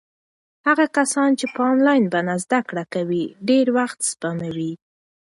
هغه کسان چې په انلاین بڼه زده کړې کوي ډېر وخت سپموي.